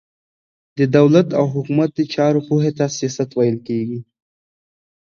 د دولت او حکومت د چارو پوهي ته سياست ويل کېږي.